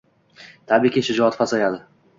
tabiiyki, shijoati pasayadi.